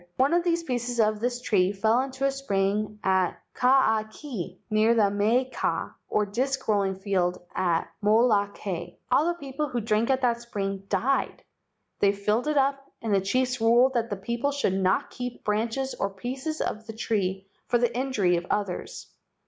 One of the pieces of this tree fell into a spring at Kaakee near the maika, or disc roll¬ ing field, on Molokai. All the people who drank at that spring died. They filled it up and the chiefs ruled that the people should not keep branches or pieces of the tree for the injury of others.